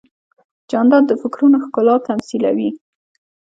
جانداد د فکرونو ښکلا تمثیلوي.